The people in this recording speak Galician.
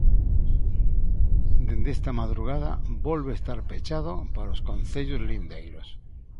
Dende esta madrugada volve estar pechada para os concellos lindeiros.